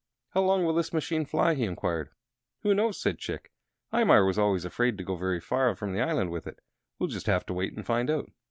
"How long will this machine fly?" he inquired. "Who knows?" said Chick. "Imar was always afraid to go very far from the island with it. We'll just have to wait and find out."